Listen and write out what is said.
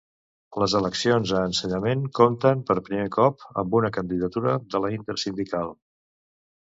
Les eleccions a Ensenyament compten per primer cop amb una candidatura de la Intersindical.